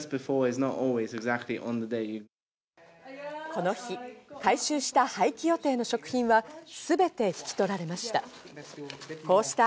この日、回収した廃棄予定の食品はすべて引き取られました。